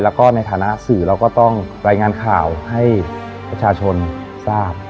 แล้วก็ในฐานะสื่อเราก็ต้องรายงานข่าวให้ประชาชนทราบ